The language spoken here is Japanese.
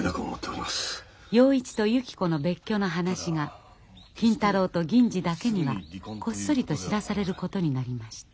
洋一とゆき子の別居の話が金太郎と銀次だけにはこっそりと知らされることになりました。